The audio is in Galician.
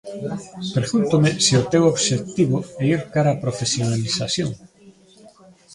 Pregúntome se o teu obxectivo é ir cara a profesionalización.